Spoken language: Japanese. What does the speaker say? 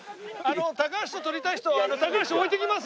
高橋と撮りたい人は高橋置いていきますので。